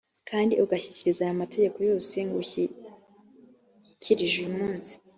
kandi ugakurikiza aya mategeko yose ngushyikirije uyu munsi,